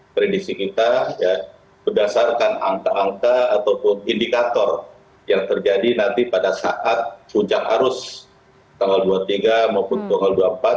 prediksi kita berdasarkan angka angka ataupun indikator yang terjadi nanti pada saat puncak arus tanggal dua puluh tiga maupun tanggal dua puluh empat